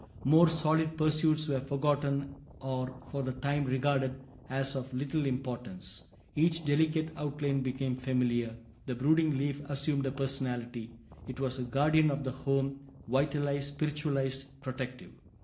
More solid pursuits were forgotten or for the time regarded as of little importance; each delicate outline became familiar; the brooding leaf assumed a personality; it was a guardian of the home, vitalized, spiritualized, protective.